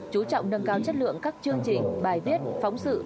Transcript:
chú trọng nâng cao chất lượng các chương trình bài viết phóng sự